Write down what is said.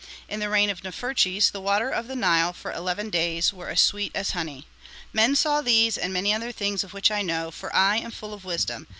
In the reign of Neferches the waters of the Nile for eleven days were as sweet as honey. Men saw these and many other things of which I know, for I am full of wisdom.